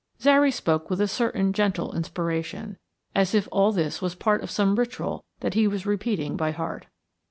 Zary spoke with a certain gentle inspiration, as if all this was part of some ritual that he was repeating by heart.